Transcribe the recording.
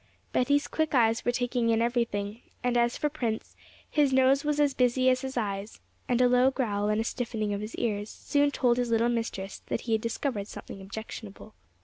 Betty's quick eyes were taking in everything; and as for Prince, his nose was as busy as his eyes, and a low growl and a stiffening of his ears soon told his little mistress that he had discovered something objectionable.